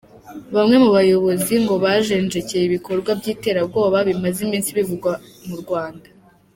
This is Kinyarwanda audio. Bamwe mu bayobozi ngo bajenjekeye ibikorwa by’iterabwoba bimaze iminsi bivugwa mu Rwanda.